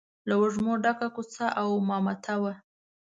له وږمو ډکه کوڅه او مامته وه.